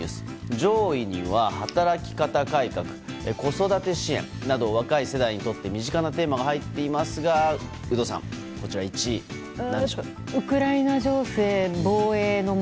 上位には働き方改革子育て支援など若い世代にとって身近なテーマが入っていますが有働さん、１位は何でしょう。